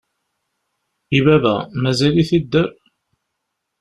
I baba? Mazal-it idder?